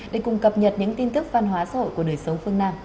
để cùng cập nhật những tin tức văn hóa xã hội của đời sống phương nam